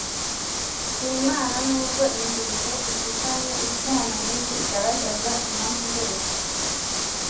si Imana Nubwo ingingo ifitanye isano n’iyi igaragaza impamvu zose